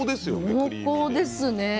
濃厚ですね